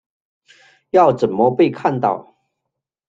要怎么被看到